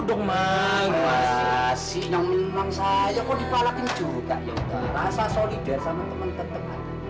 dong makasih yang memang saya kok dipalangin juga rasa solidar sama temen temen